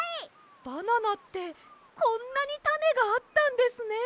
バナナってこんなにたねがあったんですね。